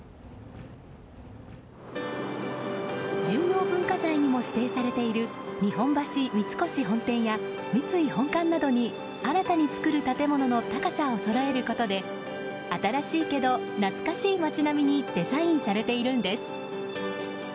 重要文化財にも指定されている日本橋三越本店や三井本館などに、新たに作る建物の高さをそろえることで新しいけど懐かしい街並みにデザインされているんです。